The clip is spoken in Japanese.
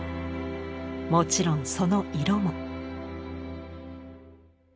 もちろんその色も。